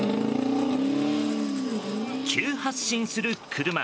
急発進する車。